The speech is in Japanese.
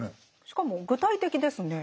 しかも具体的ですね。